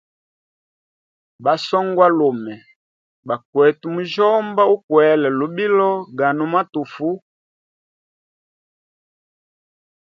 Ba swongwalume bate mujyomba ukwela lubilo ga matufu.